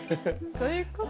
どういうこと？